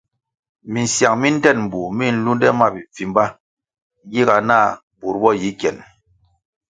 Misiang mi ndtenbur mi nlunde ma bipfimba giga nah bur bo yi kien.